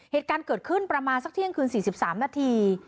เหตุการณ์เกิดขึ้นประมาณสักเที่ยงคืน๔๓นาที